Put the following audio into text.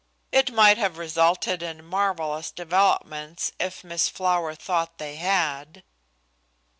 (It might have resulted in marvellous developments if Miss Flower thought they had.)